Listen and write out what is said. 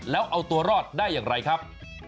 แล้วเอาตัวรอดได้อย่างไรครับ